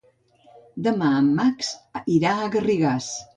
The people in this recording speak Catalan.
Demà en Max irà a Garrigàs.